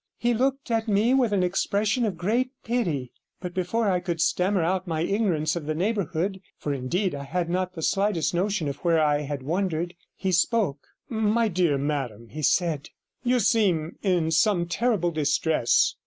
He looked at me with an expression of great pity, but before I could stammer out my ignorance of the neighbourhood, for indeed I had not the slightest notion of where I had wandered, he spoke. 'My dear madam,' he said, 'you seem in some terrible distress.